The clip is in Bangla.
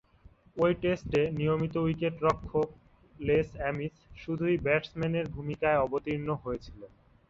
ঐ টেস্টে নিয়মিত উইকেট-রক্ষক লেস অ্যামিস শুধুই ব্যাটসম্যানের ভূমিকায় অবতীর্ণ হয়েছিলেন।